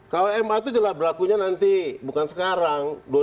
kalau ma itu jelas berlakunya nanti bukan sekarang